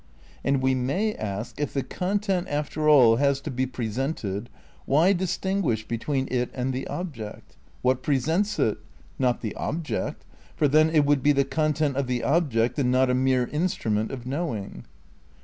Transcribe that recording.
And we may ask if the con tent, after all, has to be presented, why distinguish between it and the object? What presents it? Not the object, for then it would be the content of the ob ject and not a mere instrument of knowing.